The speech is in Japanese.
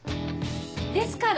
ですから。